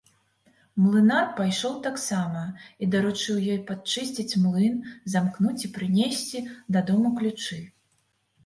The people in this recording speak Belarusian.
Млынар пайшоў таксама і даручыў ёй падчысціць млын, замкнуць і прынесці дадому ключы.